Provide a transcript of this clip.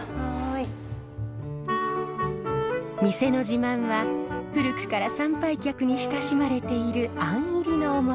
店の自慢は古くから参拝客に親しまれているあん入りのおもち。